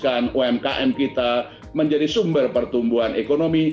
untuk mensukseskan umkm kita menjadi sumber pertumbuhan ekonomi